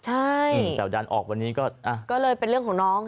ใช่แต่ดันออกวันนี้ก็เลยเป็นเรื่องของน้อง